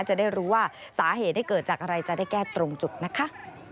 จะได้รู้ว่าสาเหตุเกิดจากอะไรจะได้แก้ตรงจุดนะคะ